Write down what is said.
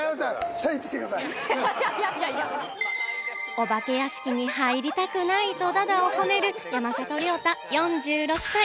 お化け屋敷に入りたくないと駄々をこねる山里亮太、４６歳。